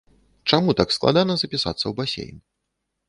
Чаму так складана запісацца ў басейн?